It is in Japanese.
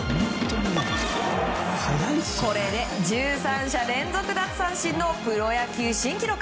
これで１３者連続奪三振のプロ野球新記録。